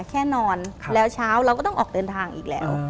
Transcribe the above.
แค่นอนแล้วเช้าเราก็ต้องออกเดินทางอีกแล้ว